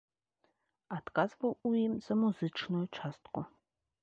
Адказваў у ім за музычную частку.